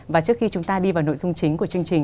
và trước khi chúng ta đi vào nội dung chính của chương trình